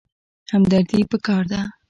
همدردي پکار ده